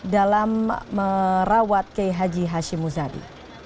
dalam merawat kiai haji hashim muzadi